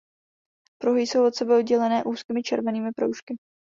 Pruhy jsou od sebe oddělené úzkými červenými proužky.